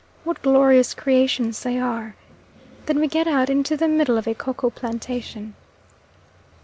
What glorious creations they are! Then we get out into the middle of a koko plantation.